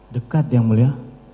dekat ya mulia